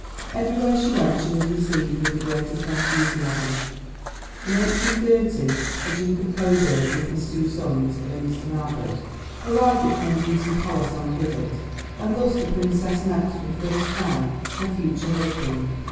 Everywhere she went she was received with the greatest enthusiasm. In 1830 the Duke of Coburg, with his two sons, Ernest and Albert, arrived at Kensington Palace on a visit, and thus the Princess met for the first time her future husband.